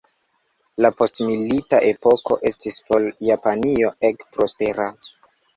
La postmilita epoko estis por Japanio ege prospera.